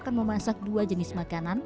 sebelumnya untuk wisata kudus